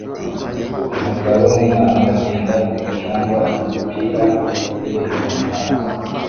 Umugabo n'umwana bagenda ku mucanga umupira ureremba mumazi